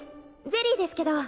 ゼリーですけど。